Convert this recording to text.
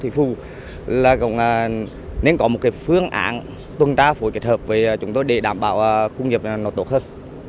phương án tuân ta phối kết hợp với chúng tôi để đảm bảo khu công nghiệp nó tốt hơn